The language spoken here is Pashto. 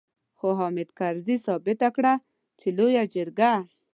خو حامد کرزي ثابته کړه چې لويه جرګه.